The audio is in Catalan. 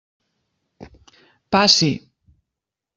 Passi.